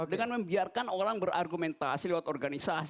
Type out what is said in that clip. dengan membiarkan orang berargumentasi lewat organisasi